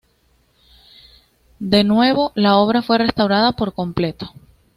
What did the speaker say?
De nuevo, la obra fue restaurada por completo.